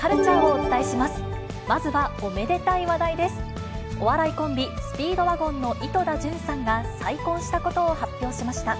お笑いコンビ、スピードワゴンの井戸田潤さんが再婚したことを発表しました。